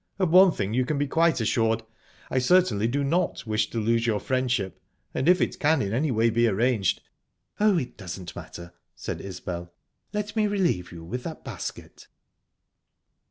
Of one thing you can be quite assured I certainly do not wish to lose your friendship, and if it can in any way be arranged..." "Oh, it doesn't matter," said Isbel..."Let me relieve you with that basket."